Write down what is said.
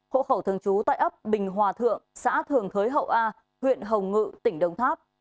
hộ khẩu thường trú tại ấp bình hòa thượng xã thường thới hậu a huyện hồng ngự tỉnh đồng tháp